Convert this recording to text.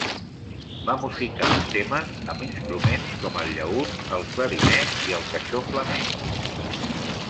Va musicar els temes amb instruments com el llaüt, el clarinet i el caixó flamenc.